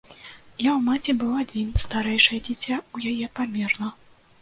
Я ў маці быў адзін, старэйшае дзіця ў яе памерла.